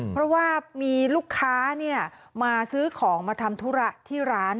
เพราะว่ามีลูกค้ามาซื้อของมาทำธุระที่ร้าน